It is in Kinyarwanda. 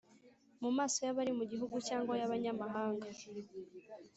mu maso y'abari mu gihugu cyangwa y'abanyamahanga